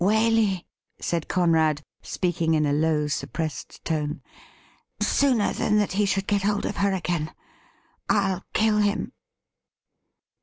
* 'Waley,' said Conrad, speaking in a low, suppressed tone, ' sooner than that he should get hold of her again I'll kill him.'